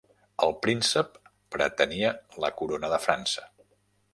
El príncep pretenia la corona de França.